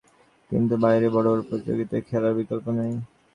কিন্তু বাইরে বড় বড় প্রতিযোগিতায় খেলার বিকল্প নেই।